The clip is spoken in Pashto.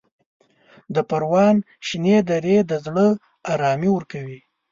د پروان شنې درې د زړه ارامي ورکوي.